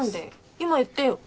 今言ってよ。